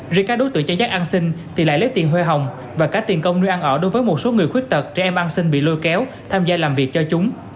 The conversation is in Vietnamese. riêng các đối tượng trang giác ăn sinh thì lại lấy tiền huê hồng và cả tiền công nuôi ăn ở đối với một số người khuyết tật trẻ em ăn sinh bị lôi kéo tham gia làm việc cho chúng